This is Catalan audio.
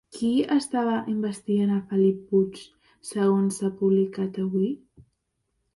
Qui està investigant a Felip Puig segons s'ha publicat avui?